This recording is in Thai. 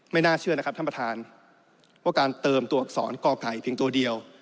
น่าเชื่อนะครับท่านประธานว่าการเติมตัวอักษรก่อไก่เพียงตัวเดียว